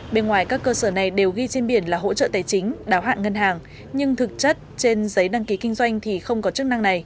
bên ngoài các cơ sở này đều ghi trên biển là hỗ trợ tài chính đáo hạn ngân hàng nhưng thực chất trên giấy đăng ký kinh doanh thì không có chức năng này